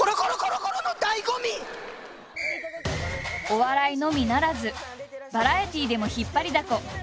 お笑いのみならずバラエティーでも引っ張りだこ。